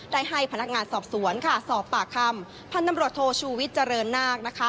ได้ให้พนักงานสอบสวนสอบปากคำพันธุ์นำรวชโชวิตเจริญนาค